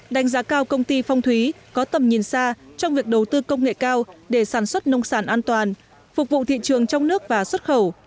đánh giá cao công ty phong thúy có tầm nhìn xa trong việc đầu tư công nghệ cao để sản xuất nông sản an toàn phục vụ thị trường trong nước và xuất khẩu